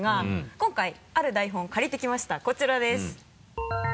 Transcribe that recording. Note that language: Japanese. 今回ある台本を借りてきましたこちらです。